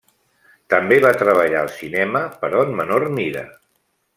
També va treballar al cinema, però en menor mida.